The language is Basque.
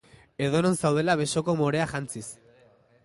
Edonon zaudela besoko morea jantziz.